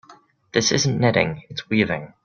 This isn't knitting, its weaving.